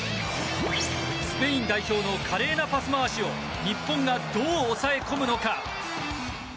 スペイン代表の華麗なパス回しを日本がどう抑え込むのか。